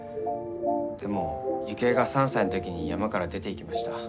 でもユキエが３歳の時に山から出ていきました。